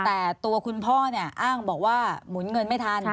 แต่ตัวคุณพ่ออ้างบอกว่าหมุนเงินไม่ทัน